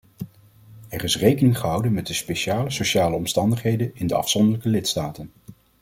Er is rekening gehouden met de speciale sociale omstandigheden in de afzonderlijke lidstaten.